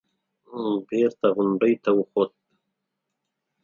بېرته غونډۍ ته وخوت.